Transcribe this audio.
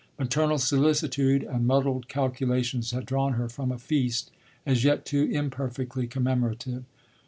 Maternal solicitude and muddled calculations had drawn her from a feast as yet too imperfectly commemorative.